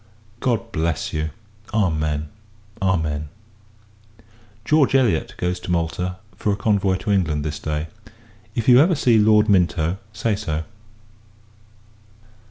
God bless you! Amen. Amen. George Elliot goes to Malta, for a convoy to England, this day. If you ever see Lord Minto, say so.